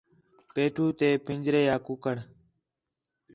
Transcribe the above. پیٹھو تے پھنجرے آ کُکڑ